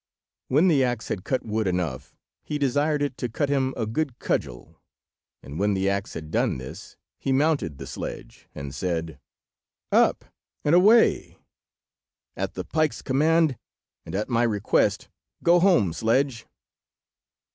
When the axe had cut wood enough, he desired it to cut him a good cudgel, and when the axe had done this he mounted the sledge, and said— "Up and away! At the pike's command, and at my request, go home, sledge."